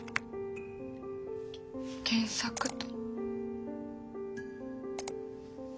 検索と。